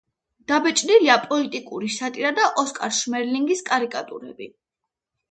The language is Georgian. დაბეჭდილია პოლიტიკური სატირა და ოსკარ შმერლინგის კარიკატურები.